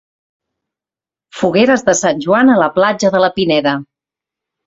Fogueres de Sant Joan a la platja de La Pineda.